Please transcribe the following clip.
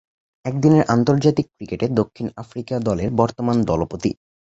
একদিনের আন্তর্জাতিক ক্রিকেটে দক্ষিণ আফ্রিকা দলের বর্তমান দলপতি।